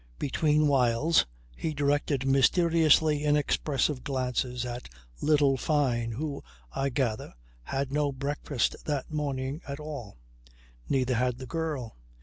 Between whiles he directed mysteriously inexpressive glances at little Fyne, who, I gather, had no breakfast that morning at all. Neither had the girl.